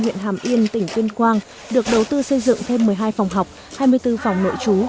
huyện hàm yên tỉnh tuyên quang được đầu tư xây dựng thêm một mươi hai phòng học hai mươi bốn phòng nội trú